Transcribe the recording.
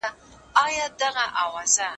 زه به سبا د درسونو يادوم!!